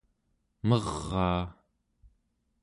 meraa